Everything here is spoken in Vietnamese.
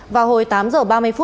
vào hồi tám h ba mươi